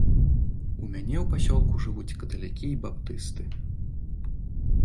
У мяне ў пасёлку жывуць каталікі і баптысты.